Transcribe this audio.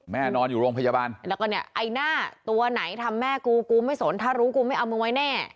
นอนอยู่โรงพยาบาลแล้วก็เนี่ยไอ้หน้าตัวไหนทำแม่กูกูไม่สนถ้ารู้กูไม่เอามึงไว้แน่